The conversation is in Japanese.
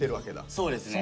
そうですね。